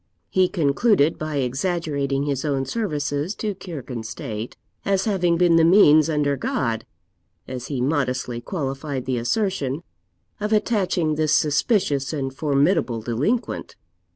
He concluded by exaggerating his own services to kirk and state, as having been the means, under God (as he modestly qualified the assertion), of attaching this suspicious and formidable delinquent.